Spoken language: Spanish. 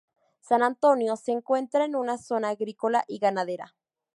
San Antonio se encuentra en una zona agrícola y ganadera.